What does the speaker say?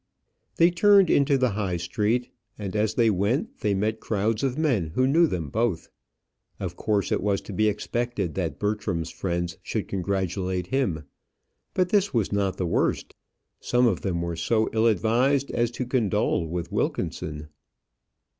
They turned into the High Street, and as they went they met crowds of men who knew them both. Of course it was to be expected that Bertram's friends should congratulate him. But this was not the worst; some of them were so ill advised as to condole with Wilkinson.